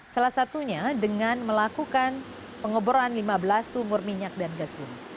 salah satunya dengan melakukan pengeboran lima belas sumur minyak dan gas bumi